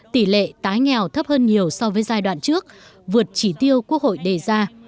tỷ lệ tái nghèo thấp hơn nhiều so với giai đoạn trước vượt chỉ tiêu quốc hội đề ra